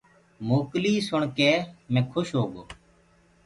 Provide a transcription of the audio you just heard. موڪلي سُڻ ڪي مينٚ کوش هوگو۔